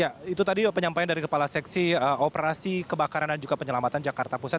ya itu tadi penyampaian dari kepala seksi operasi kebakaran dan juga penyelamatan jakarta pusat